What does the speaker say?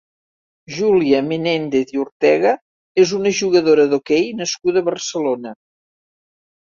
Júlia Menéndez i Ortega és una jugadora d'hoquei nascuda a Barcelona.